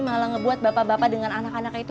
malah ngebuat bapak bapak dengan anak anak itu